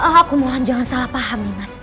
aku mohon jangan salah paham nimas